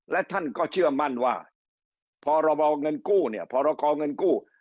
และท่านก็เชื่อมั่นว่าพรกเงินกู้